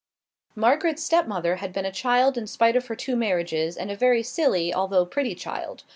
Margaret's stepmother had been a child in spite of her two marriages, and a very silly, although pretty child.